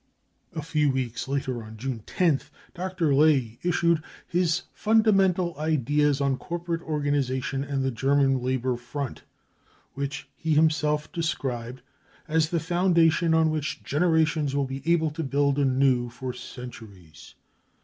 A few weeks later, on June ioth, Dr. Ley , issued his " Fundamental Ideas on Corporate Organisation and the German Labour Front, 55 which he himself described as the " foundation on which generations will be able to build anew for centuries.